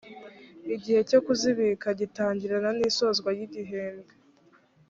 igihe cyo kuzibika gitangirana n isozwa ry igihembwe